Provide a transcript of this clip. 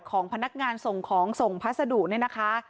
ของพนักงานส่งของส่งพัสดุเนี่ยนะคะ